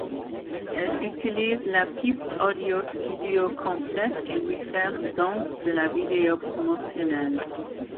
Elle utilise la piste audio studio complète et diffère, donc, de la vidéo promotionnelle.